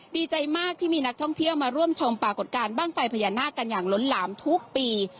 ดีใจมากที่มีนักท่องเที่ยวมาร่วมชมปรากฏการณ์บ้างไฟพญานาคกันอย่างล้นหลามทุกปี